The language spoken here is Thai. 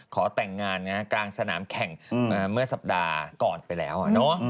ขอแต่งงานกลางสนามแข่งเมื่อสัปดาห์ก่อนไปแล้ว